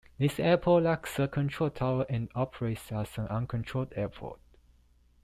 This airport lacks a control tower and operates as an uncontrolled airport.